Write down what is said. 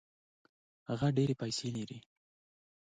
هغه ډېري پیسې لري.